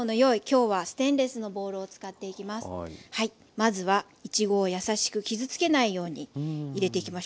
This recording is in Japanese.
まずはいちごをやさしく傷つけないように入れていきましょう。